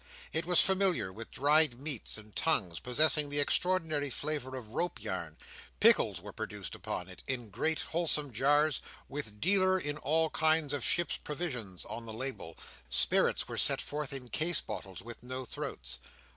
It was familiar with dried meats and tongues, possessing an extraordinary flavour of rope yarn. Pickles were produced upon it, in great wholesale jars, with "dealer in all kinds of Ships' Provisions" on the label; spirits were set forth in case bottles with no throats.